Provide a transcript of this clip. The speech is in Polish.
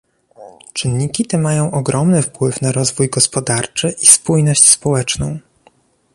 Czynniki te mają ogromny wpływ na rozwój gospodarczy i spójność społeczną